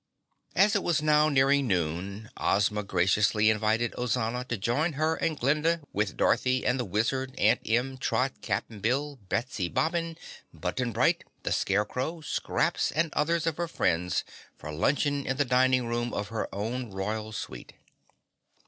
As it was now nearing noon, Ozma graciously invited Ozana to join her and Glinda with Dorothy and the Wizard, Aunt Em, Trot, Cap'n Bill, Betsy Bobbin, Button Bright, the Scarecrow, Scraps and others of her friends for luncheon in the dining room of her own Royal Suite.